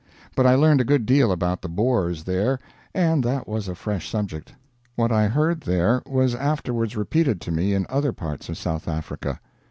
But I learned a good deal about the Boers there, and that was a fresh subject. What I heard there was afterwards repeated to me in other parts of South Africa.